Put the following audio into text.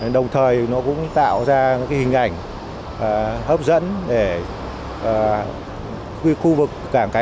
đồng thời nó cũng tạo ra những hình ảnh hấp dẫn để khu vực cảng cái